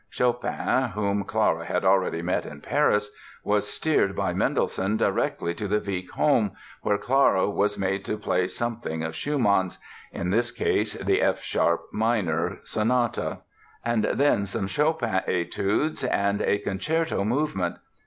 Chopin, whom Clara had already met in Paris, was steered by Mendelssohn directly to the Wieck home, where Clara was made to play something of Schumann's—in this case the F sharp minor Sonata—and then some Chopin Etudes and a concerto movement.